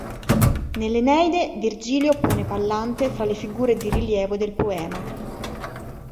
Nell'Eneide, Virgilio pone Pallante fra le figure di rilievo del poema.